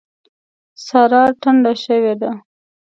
سارا ټنډه شوې ده.